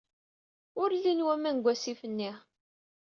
Ur llin waman deg wasif-nni.